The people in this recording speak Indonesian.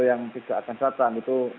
yang tidak akan datang itu